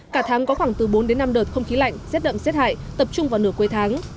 cả tháng có khoảng từ bốn đến năm đợt không khí lạnh rét đậm rét hại tập trung vào nửa cuối tháng